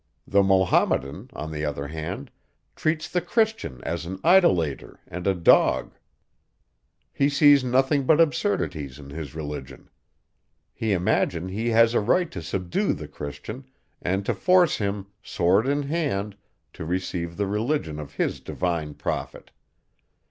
The Mahometan, on the other hand, treats the Christian as an idolater and a dog. He sees nothing but absurdities in his religion. He imagines he has a right to subdue the Christian, and to force him, sword in hand, to receive the religion of his divine prophet.